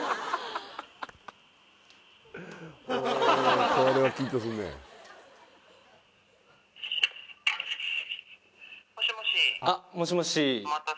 頼むあっもしもし